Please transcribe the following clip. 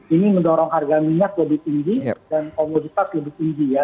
ini mendorong harga minyak lebih tinggi dan komoditas lebih tinggi ya